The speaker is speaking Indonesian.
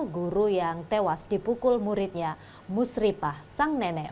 guru yang tewas dipukul muridnya musripah sang nenek